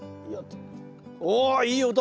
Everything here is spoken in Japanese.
おいい音！